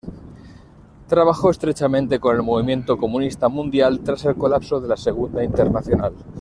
Trabajó estrechamente con el movimiento comunista mundial tras el colapso de la Segunda Internacional.